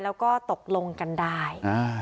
แล้วก็ตกลงกันได้